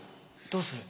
どうする？